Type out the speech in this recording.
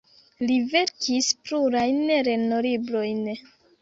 Li verkis plurajn lernolibrojn.